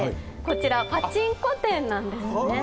こちらパチンコ店なんですね